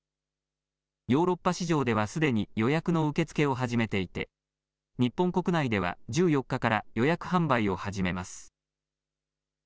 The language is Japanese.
ヨーロッパ市場ではすでに予約の受け付けを始めていて日本国内では１４日から予約販売を始めます。